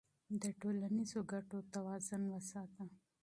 د ټولنیزو ګټو توازن وساته.